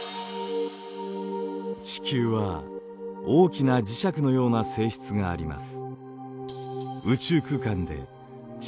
地球は大きな磁石のような性質があります。